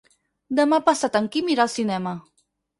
Demà passat en Quim irà al cinema.